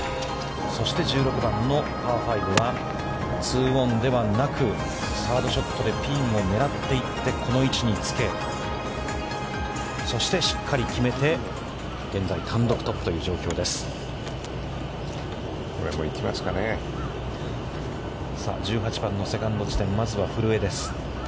そして１６番のパー５は、ツーオンではなく、サードショットでピンを狙っていって、この位置につけ、そして、しっかり決めて、現在単独トップという状況です。